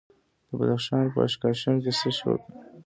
د بدخشان په اشکاشم کې څه شی شته؟